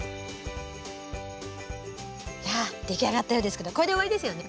いや出来上がったようですけどこれで終わりですよね？